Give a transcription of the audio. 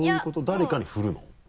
誰かに振るの？